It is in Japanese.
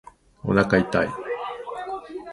おなか痛い